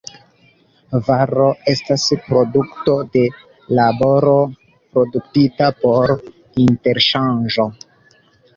Varo estas produkto de laboro, produktita por interŝanĝo.